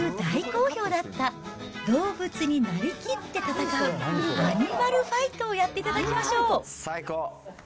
ではお２人には、先週大好評だった動物になりきって戦う、アニマルファイトをやっていただきましょう。